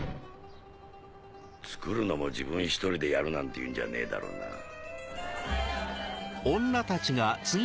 作るのも自分１人でやるなんて言うんじゃねえだろうな。